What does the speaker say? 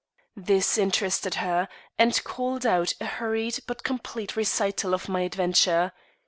This interested her, and called out a hurried but complete recital of my adventure.